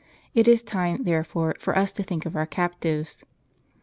It is time, therefore, for us to think of our captives.